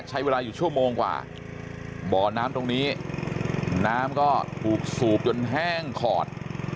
ใช้เวลาอยู่ชั่วโมงกว่าบ่อน้ำตรงนี้น้ำก็ถูกสูบจนแห้งขอด